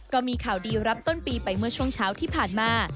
ก็มีข่าวดีรับต้นปีไปเมื่อช่วงเช้าที่ผ่านมา